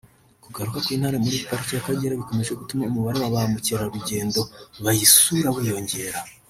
Kugaruka kw’intare muri parike y’Akagera bikomeje gutuma umubare wa ba mukerarugendo bayisura wiyongera